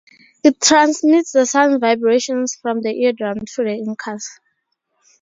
It transmits the sound vibrations from the eardrum to the "incus".